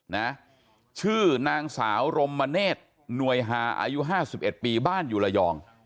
นะชื่อนางสาวรมเนธหน่วยฮาอายุห้าสิบเอ็ดปีบ้านอยู่ระยอง